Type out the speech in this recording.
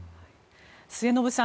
末延さん